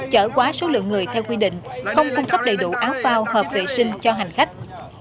chở quá số lượng người theo quy định không cung cấp đầy đủ áo phao hợp vệ sinh cho hành khách